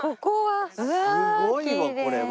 すごいわこれは。